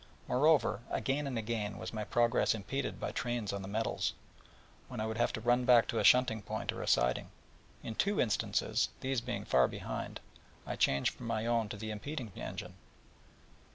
Moreover, again and again was my progress impeded by trains on the metals, when I would have to run back to a shunting point or a siding, and, in two instances, these being far behind, changed from my own to the impeding engine.